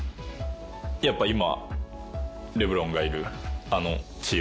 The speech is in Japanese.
やっぱ今。